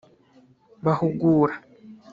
bahugura